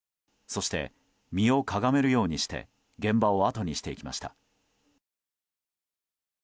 そして、身をかがめるようにして現場をあとにしていきました。